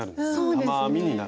玉編みになる。